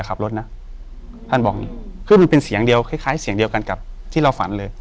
ขับรถนะท่านบอกอย่างงี้คือมันเป็นเสียงเดียวคล้ายคล้ายเสียงเดียวกันกับที่เราฝันเลย